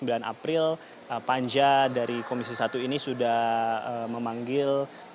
ya memang putri panitia kerja di komisi satu tentang pelindungan data pribadi ini sudah bekerja sejak minggu lalu pada tanggal sembilan april